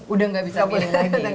udah enggak bisa pilih lagi